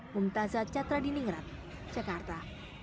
bumtaza catra diningrat jakarta